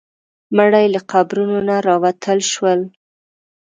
مړي له قبرونو نه راوتل شول.